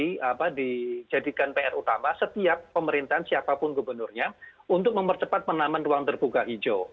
menurut saya yang harusnya di jadikan pr utama setiap pemerintahan siapapun gubernurnya untuk mempercepat penambahan ruang terbuka hijau